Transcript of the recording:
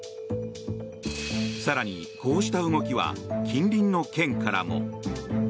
更に、こうした動きは近隣の県からも。